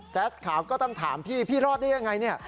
แจ๊สขาวก็ต้องถามพี่ที่รอดได้ไหร่ยังไงเนี้ย